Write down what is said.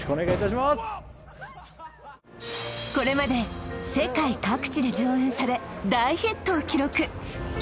これまで世界各地で上演され大ヒットを記録